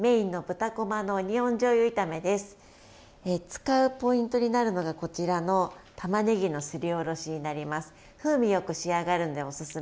使うポイントになるのがこちらのたまねぎのすりおろしになります。